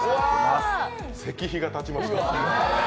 石碑が建ちました。